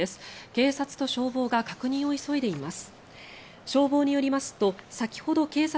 警察と消防が確認を急いでいます。